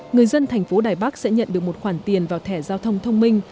người dân thành phố đài bắc sẽ nhận được một khoản tiền vào thẻ giao thông thông minh